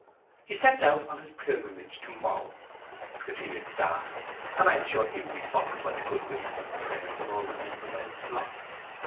'He sets out on his pilgrimage tomorrow,' concluded Starr, 'and I am sure he will be followed by the good wishes and prayers of all the members of his flock.'